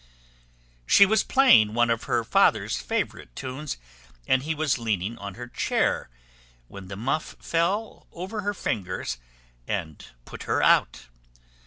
She was playing one of her father's favourite tunes, and he was leaning on her chair, when the muff fell over her fingers, and put her out.